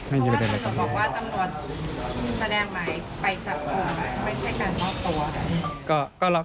เพราะว่าตำรวจแสดงหมายไปจับตัวไม่ใช่การมอบตัว